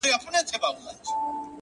تا په پنځه لوېشتو وړيو کي سيتار وتړی-